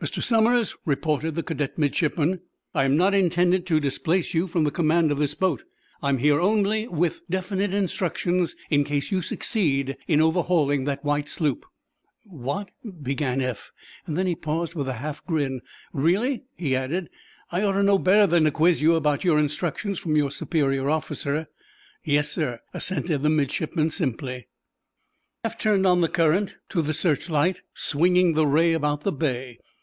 "Mr. Somers," reported the cadet midshipman, "I am not intended to displace you from the command of this boat. I am here only with definite instructions in case you succeed in overhauling that white sloop." "What—" began Eph. Then he paused, with a half grin. "Really," he added, "I ought to know better than to quiz you about your instructions from your superior officer." "Yes, sir," assented the midshipman, simply. Eph turned on the current to the search light, swinging the ray about the bay.